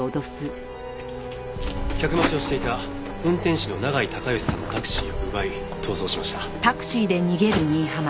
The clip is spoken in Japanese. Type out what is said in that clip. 客待ちをしていた運転手の永井孝良さんのタクシーを奪い逃走しました。